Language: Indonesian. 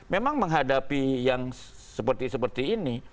memang menghadapi yang seperti seperti ini